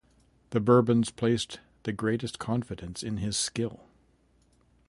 The Bourbons placed the greatest confidence in his skill.